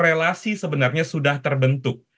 relasi sebenarnya sudah terbentuk